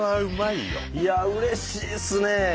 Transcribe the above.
いやあうれしいっすね。